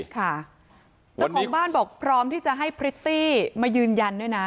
เจ้าของบ้านบอกพร้อมที่จะให้พริตตี้มายืนยันด้วยนะ